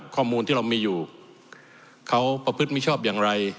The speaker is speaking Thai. ข้อมูลที่เรามีอยู่เขาประพฤติมิชอบอย่างไร